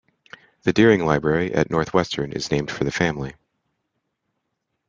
The Deering Library at Northwestern is named for the family.